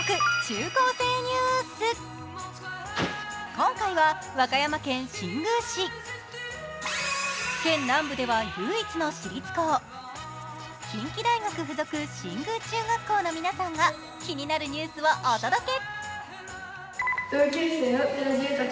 今回は和歌山県新宮市、県南部では唯一の私立校、近畿大学附属新宮高等学校・中学校の皆さんが気になるニュースをお届け。